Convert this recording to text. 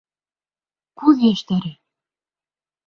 Күҙ йәштәре!